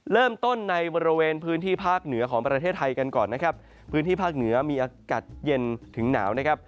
เริ่มต้นในบริเวณพื้นที่ภาคเหนือของประเทศไทยกันก่อนนะครับพื้นที่ภาคเหนือมีอากาศเย็นถึงหนาวนะครับ